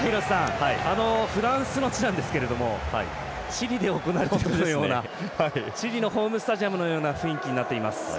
フランスの地なんですけどチリで行ってるかのようなチリのホームスタジアムのような雰囲気になっています。